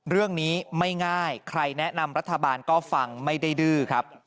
เรื่องนี้ไม่ง่ายใครแนะนำรัฐบาลก็ฟังไม่ได้ดื้อครับ